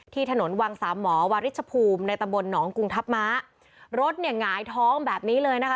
ถนนวังสามหมอวาริชภูมิในตำบลหนองกรุงทัพม้ารถเนี่ยหงายท้องแบบนี้เลยนะคะ